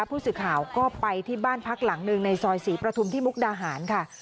ผู้สื่อข่าวก็ไปที่บ้านพักหลังหนึ่งในซอยศรีประทุมที่มุกดาหารค่ะ